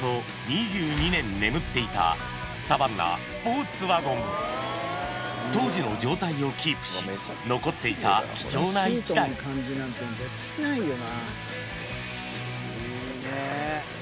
サバンナ・スポーツワゴン当時の状態をキープし残っていた貴重な１台いいね。